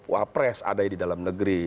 wapres ada di dalam negeri